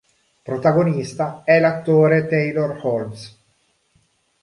Protagonista è l'attore Taylor Holmes.